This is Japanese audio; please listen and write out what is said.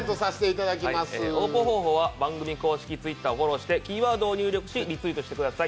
応募方法は番組公式Ｔｗｉｔｔｅｒをフォローして、キーワードを入力しリツイートしてください。